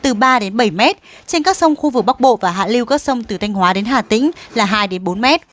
trên các sông khu vực bắc bộ và hạ lưu các sông từ thanh hóa đến hà tĩnh là hai đến bốn mét